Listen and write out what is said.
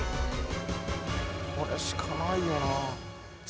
これしかないよな。